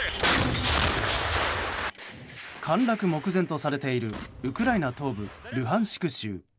陥落目前とされているウクライナ東部ルハンシク州。